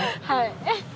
はい。